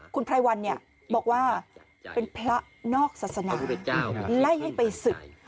คุณไพรวัลบอกว่าเป็นพระนอกศาสนาไล่ให้ไปศึก